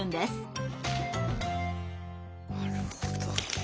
なるほど。